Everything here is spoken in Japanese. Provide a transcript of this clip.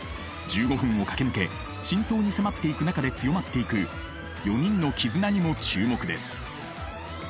１５分を駆け抜け真相に迫っていく中で強まっていく４人の絆にも注目です。